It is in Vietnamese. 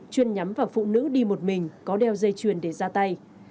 chuyên nhắm vào phụ nữ đi một mình có đeo dây chuyền để ra tay